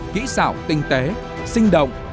kỹ xảo tinh tế sinh động